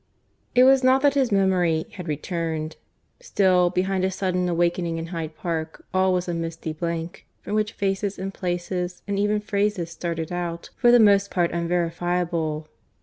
It was not that his memory had returned. Still, behind his sudden awakening in Hyde Park, all was a misty blank, from which faces and places and even phrases started out, for the most part unverifiable.